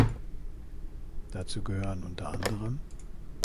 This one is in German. Dazu gehören unter anderem